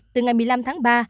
từ ngày một mươi năm tháng ba